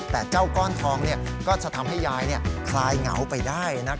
แต่เจ้าก้อนทองก็จะทำให้ยายคลายเหงาไปได้